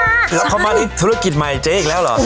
แล้วเขามาที่ธุรกิจใหม่เจ๊อีกแล้วเหรอ